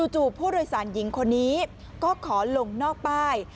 จู่ผู้โดยสารหญิงคนนี้ก็ขอลงนอกป้าย